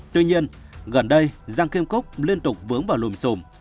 tuy nhiên gần đây giang kim cốc liên tục vướng vào lùm xùm